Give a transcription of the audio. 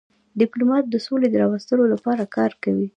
ډيپلومات د سولي د راوستلو لپاره کار کوي.